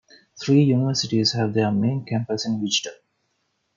Three universities have their main campuses in Wichita.